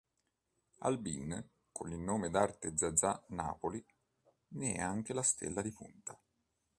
Albin, con il nome d'arte "Zazà Napoli", ne è anche la stella di punta.